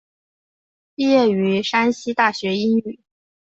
毕业于山西大学英语。